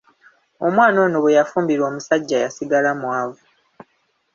Omwana ono bwe yafumbirwa omusajja yasigala mwavu.